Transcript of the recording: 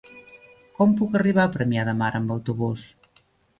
Com puc arribar a Premià de Mar amb autobús?